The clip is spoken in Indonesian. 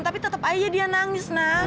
tapi tetep aja dia nangis na